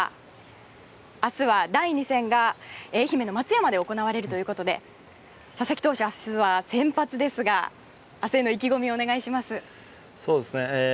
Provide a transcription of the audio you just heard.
明日は第２戦が愛媛の松山で行われるということで佐々木投手、明日は先発ですが、明日への意気込みをお願いします。